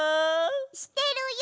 してるよ！